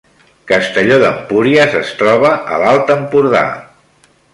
Castelló d’Empúries es troba a l’Alt Empordà